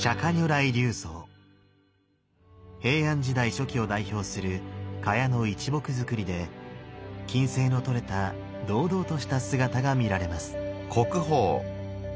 平安時代初期を代表する榧の一木造で均斉の取れた堂々とした姿が見られます。